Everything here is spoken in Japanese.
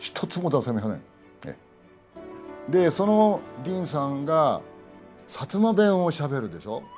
そのディーンさんが薩摩弁をしゃべるでしょ？